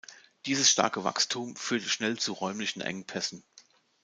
Dieses starke Wachstum führte schnell zu räumlichen Engpässen.